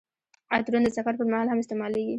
عطرونه د سفر پر مهال هم استعمالیږي.